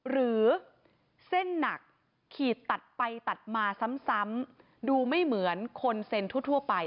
หรือเส้นหนักขีดตัดไปตัดมาซ้ำดูไม่เหมือนคนเซ็นทั่วไป